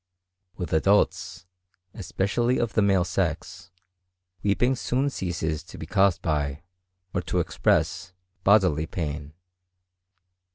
With adults, especially of the male sex, weeping soon ceases to be caused by, or to express, bodily pain.